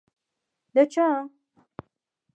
ـ د چا؟!